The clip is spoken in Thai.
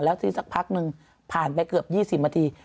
แล้วที่สักพักนึงผ่านไปเกือบ๒๐นาที